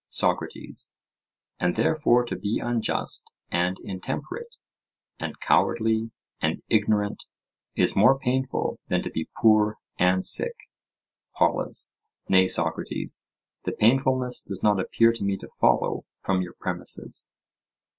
SOCRATES: And therefore to be unjust and intemperate, and cowardly and ignorant, is more painful than to be poor and sick? POLUS: Nay, Socrates; the painfulness does not appear to me to follow from your premises.